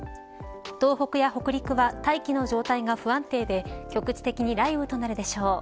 東北や北陸は大気の状態が不安定で局地的に雷雨となるでしょう。